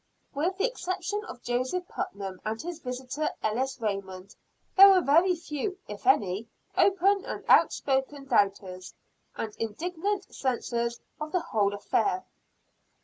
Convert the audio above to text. With the exception of Joseph Putnam, and his visitor, Ellis Raymond, there were very few, if any, open and outspoken doubters, and indignant censurers of the whole affair.